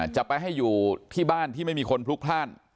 จะไปให้อยู่ที่บ้านที่ไม่มีคนพลุกพลาด